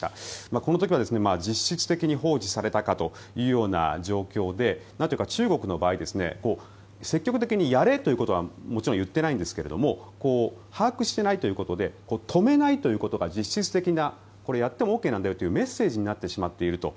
この時は実質的に放置されたかというような状況で中国の場合積極的にやれということはもちろん言ってないんですが把握してないということで止めないということが実質的にやってもＯＫなんだよというメッセージになってしまっていると。